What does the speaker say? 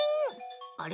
あれ？